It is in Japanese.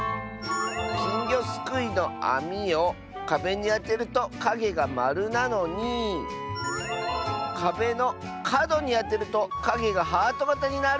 「きんぎょすくいのあみをかべにあてるとかげがまるなのにかべのかどにあてるとかげがハートがたになる！」。